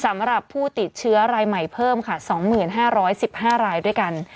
สำหรับผู้ติดเชื้อรายใหม่เพิ่มค่ะ๒๕๑๕รายด้วยกัน